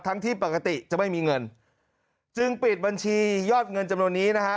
ที่ปกติจะไม่มีเงินจึงปิดบัญชียอดเงินจำนวนนี้นะฮะ